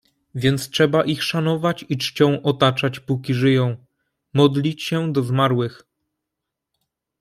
"Więc trzeba ich szanować i czcią otaczać, póki żyją, modlić się do zmarłych."